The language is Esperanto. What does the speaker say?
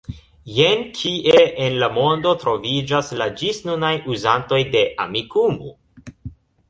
Jen kie en la mondo troviĝas la ĝisnunaj uzantoj de Amikumu.